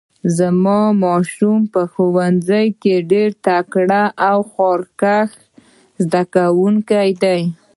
زما ماشوم په ښوونځي کې ډیر تکړه او خواریکښ زده کوونکی ده